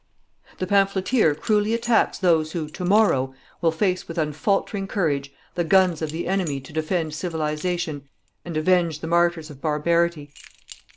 The pamphleteer cruelly attacks those who, to morrow, will face with unfaltering courage the guns of the enemy to defend Civilization and avenge the martyrs of barbarity.